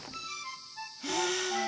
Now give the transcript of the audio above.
はあ。